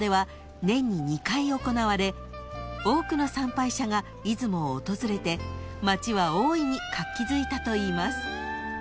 ［多くの参拝者が出雲を訪れて町は大いに活気づいたといいます］